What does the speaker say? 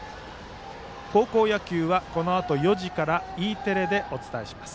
高校野球はこのあと４時からＥテレでお伝えします。